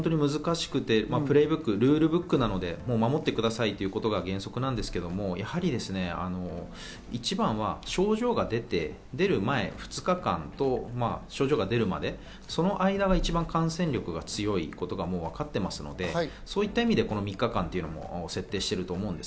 本当に難しくてプレイブック、ルールブックなので守ってくださいということは原則なんですけど、やはり一番は症状が出て、出る前２日間と、症状が出るまで、その間は一番感染力が強いことはもう分かっていますので、そういった意味でこの３日間というのを設定してると思うんです。